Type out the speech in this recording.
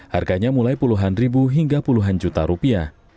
harganya mulai puluhan ribu hingga puluhan juta rupiah